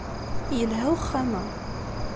Yelha uxxam-a